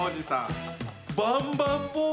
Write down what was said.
バンバンボールだよ。